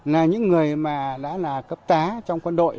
là những người mà đã là cấp tá trong quân đội